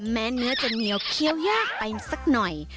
แม่เนื้อนีลเคี่ยวยากไปซะหน่อย